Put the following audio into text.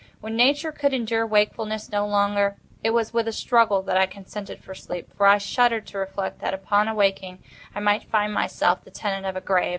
When Nature could endure wakefulness no longer, it was with a struggle that I consented to sleep—for I shuddered to reflect that, upon awaking, I might find myself the tenant of a grave.